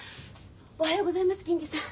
おはようございます銀次さん。